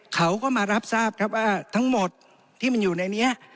เขาก็มารับทราบครับว่าทั้งหมดที่มันอยู่ในนี้